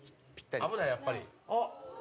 危ないやっぱり。